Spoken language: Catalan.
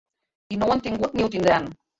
I no ho han tingut i no ho tindran.